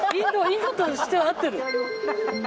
インドとしては合ってる。